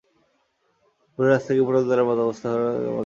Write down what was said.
ভুল রাস্তায় গিয়ে পটল তোলার মতো অবস্থা হওয়াটা অনেক মজার।